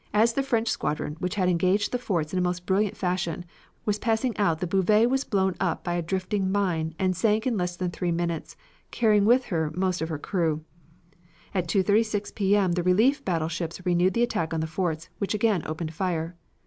As the French squadron, which had engaged the forts in a most brilliant fashion, was passing out the Bouvet was blown up by a drifting mine and sank in less than three minutes, carrying with her most of her crew. At 2.36 P.M. the relief battleships renewed the attack on the forts, which again opened fire.